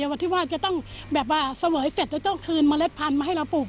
วันที่ว่าจะต้องแบบว่าเสวยเสร็จแล้วต้องคืนเมล็ดพันธุ์มาให้เราปลูก